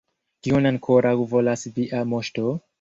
Kion ankoraŭ volas via moŝto?